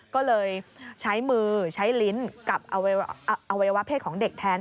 ก็เลยใช้มือใช้ลิ้นกับอวัยวะเพศของเด็กแทน